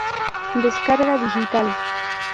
Descarga Digital